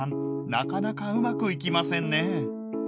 なかなかうまくいきませんね。